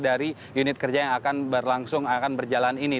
dari unit kerja yang akan berlangsung akan berjalan ini